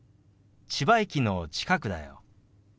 千葉駅の近くだよ。